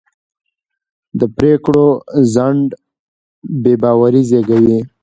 د پرېکړو ځنډ بې باوري زېږوي